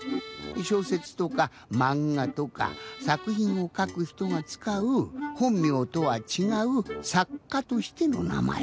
しょうせつとかまんがとかさくひんをかくひとがつかうほんみょうとはちがうさっかとしてのなまえ。